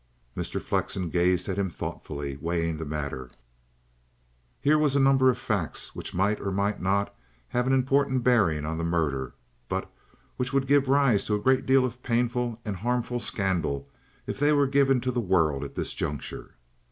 Mr. Flexen gazed at him thoughtfully, weighing the matter. Here were a number of facts which might or might not have an important bearing on the murder, but which would give rise to a great deal of painful and harmful scandal if they were given to the world at this juncture.